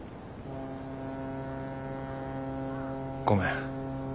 ごめん。